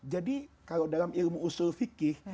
jadi kalau dalam ilmu usul fikih